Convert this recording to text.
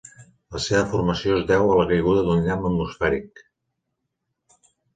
La seva formació es deu a la caiguda d'un llamp atmosfèric.